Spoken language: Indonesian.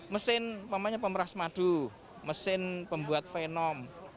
mesin pemeras madu mesin pembuat venom